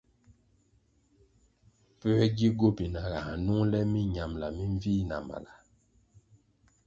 Pue gi gobina ā nung le minambʼla minvih na mala?